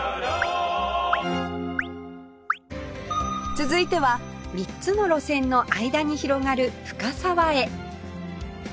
続いては３つの路線の間に広がる深沢へ